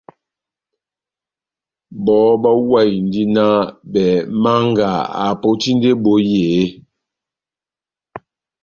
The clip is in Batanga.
Bɔhɔ bahuwahindi nah bɛh Manga apotindi ebohi eeeh?